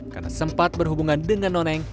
karena sempat berhubungan dengan noneng